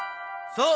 そう。